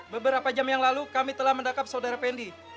beberapa jam yang lalu kami telah menangkap saudara fendi